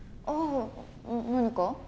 ああ何か？